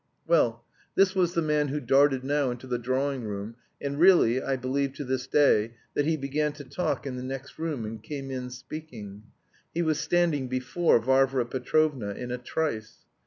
Well, this was the young man who darted now into the drawing room, and really, I believe to this day, that he began to talk in the next room, and came in speaking. He was standing before Varvara Petrovna in a trice.